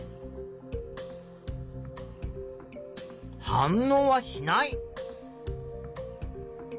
反応はしない。